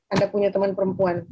anda punya teman perempuan